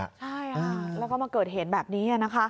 ใช่ค่ะแล้วก็มาเกิดเหตุแบบนี้นะคะ